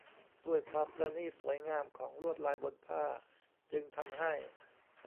ด้วยความประณีตสวยงามของลวดลายบนผ้าจึงทำให้